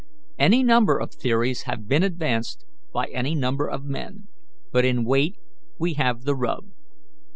Any number of theories have been advanced by any number of men, but in weight we have the rub.